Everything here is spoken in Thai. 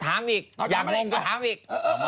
ถามอีกอย่ามาลงถามอีก